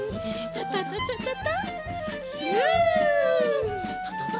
タタタタタタひゅ！